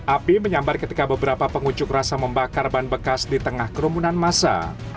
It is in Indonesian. api menyambar ketika beberapa pengunjuk rasa membakar ban bekas di tengah kerumunan masa